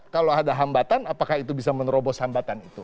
kalau ada hambatan apakah itu bisa menerobos hambatan itu